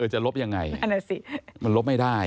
จะลบยังไงลบไม่ได้